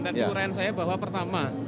dan kekurangan saya bahwa pertama